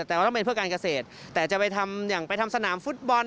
แต่ว่าต้องเป็นเพื่อการเกษตรแต่จะไปทำอย่างไปทำสนามฟุตบอล